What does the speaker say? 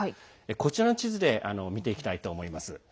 こちらの地図で見ていきたいと思います。